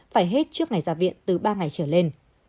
phải hết trước ngày ra viện từ ba ngày trở lên